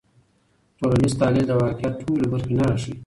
ټولنیز تحلیل د واقعیت ټولې برخې نه راښيي.